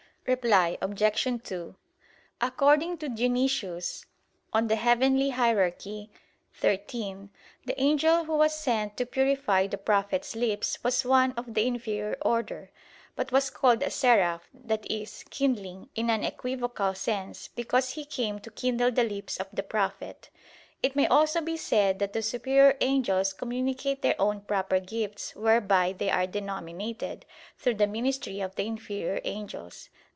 Reply Obj. 2: According to Dionysius (Coel. Hier. xiii), the angel who was sent to purify the prophet's lips was one of the inferior order; but was called a "Seraph," that is, "kindling " in an equivocal sense, because he came to "kindle" the lips of the prophet. It may also be said that the superior angels communicate their own proper gifts whereby they are denominated, through the ministry of the inferior angels.